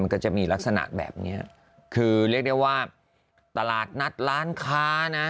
ก็จะมีลักษณะแบบเนี้ยคือเรียกได้ว่าตลาดนัดร้านค้านะ